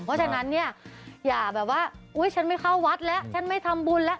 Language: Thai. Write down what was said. เพราะฉะนั้นเนี่ยอย่าแบบว่าอุ๊ยฉันไม่เข้าวัดแล้วฉันไม่ทำบุญแล้ว